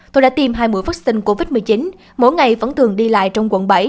tôi đã tiêm hai mũi vaccine covid một mươi chín mỗi ngày vẫn thường đi lại trong quận bảy